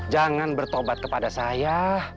jangan bertobat kepada saya